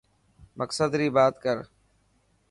مقصد ري بات ڪر.